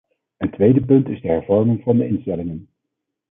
Een tweede punt is de hervorming van de instellingen.